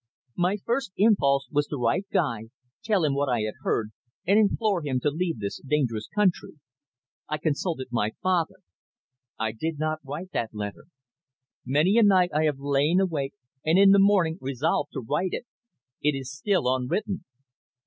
"My first impulse was to write to Guy, tell him what I had heard, and implore him to leave this dangerous country. I consulted my father. I did not write that letter. Many a night I have lain awake, and in the morning resolved to write it. It is still unwritten."